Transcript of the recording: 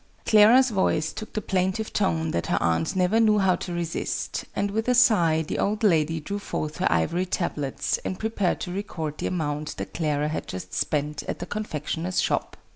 Clara's voice took the plaintive tone that her aunt never knew how to resist, and with a sigh the old lady drew forth her ivory tablets and prepared to record the amount that Clara had just spent at the confectioner's shop.